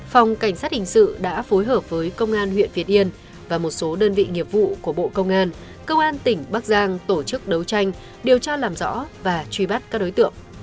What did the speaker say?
phòng cảnh sát hình sự đã phối hợp với công an huyện việt yên và một số đơn vị nghiệp vụ của bộ công an công an tỉnh bắc giang tổ chức đấu tranh điều tra làm rõ và truy bắt các đối tượng